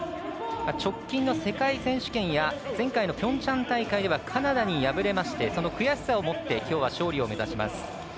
直近の世界選手権や前回のピョンチャン大会ではカナダに敗れましてその悔しさをもってきょうは勝利を目指します。